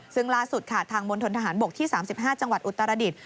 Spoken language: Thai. ซึ่งล่าสุดค่ะทางมณฑนทหารบกที่๓๕จังหวัดอุตรดิษฐ